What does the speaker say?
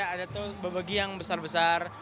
ada tuh bebagi yang besar besar